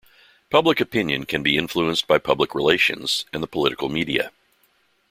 Public opinion can be influenced by public relations and the political media.